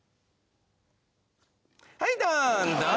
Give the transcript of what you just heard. はいどんどん。